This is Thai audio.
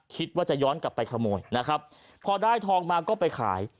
คิดว่าจะย้อนกลับไปขโมยนะครับพอได้ทองมาก็ไปขาย